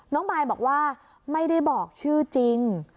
มายบอกว่าไม่ได้บอกชื่อจริง